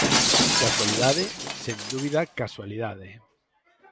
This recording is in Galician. ¡Causalidade, sen dúbida casualidade!